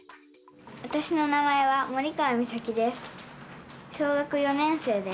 わたしの名前は森川実咲です。